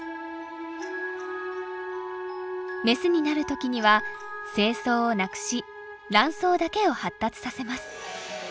メスになる時には精巣をなくし卵巣だけを発達させます。